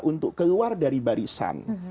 untuk keluar dari barisan